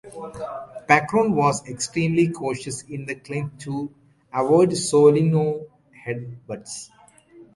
Pakorn was extremely cautious in the clinch to avoid Soe Lin Oo’s headbutts.